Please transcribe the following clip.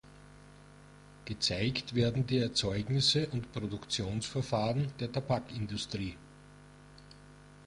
Gezeigt werden die Erzeugnisse und Produktionsverfahren der Tabakindustrie.